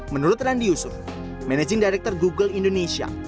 menurut randi yusuf managing director google indonesia